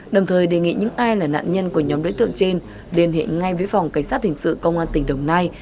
đồng thời đề nghị những ai là nạn nhân của nhóm đối tượng trên liên hệ ngay với phòng cảnh sát hình sự công an tỉnh đồng nai